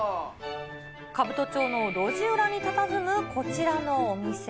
兜町の路地裏にたたずむこちらのお店。